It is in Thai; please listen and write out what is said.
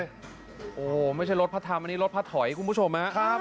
โอ้โหไม่ใช่รถพัดทำอันนี้รถพัดศักดิ์คุณผู้ชมฮะครับ